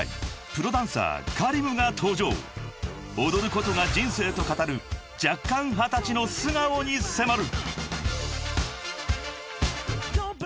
［踊ることが人生と語る弱冠二十歳の素顔に迫る！］